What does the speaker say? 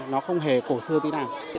nó không hề cổ xưa tí nào